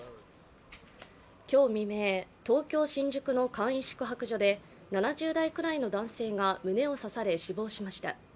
今日未明、東京・新宿の簡易宿泊所で７０代くらいの男性が胸を刺され死亡しました。